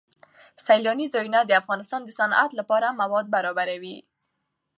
سیلانی ځایونه د افغانستان د صنعت لپاره مواد برابروي.